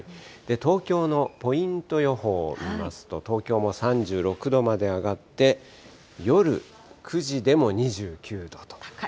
東京のポイント予報を見ますと、東京も３６度まで上がって、夜９時でも２９度と。